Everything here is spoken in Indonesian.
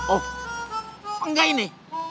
oh enggak ini